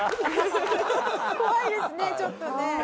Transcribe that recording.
怖いですねちょっとね。